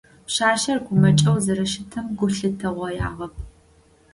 Пшъашъэр гумэкӏэу зэрэщытым гу лъытэгъоягъэп.